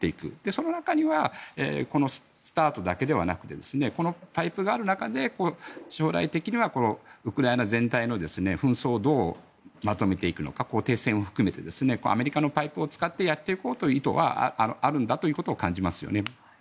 その中にはこのＳＴＡＲＴだけではなくこのパイプがある中で将来的にはウクライナ全体の紛争をどうまとめていくのか停戦を含めてアメリカのパイプを使ってやっていこうという意図はあるんだということを感じますよね。